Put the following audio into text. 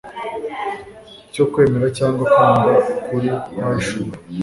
cyo kwemera cyangwa kwanga ukuri kwahishuwe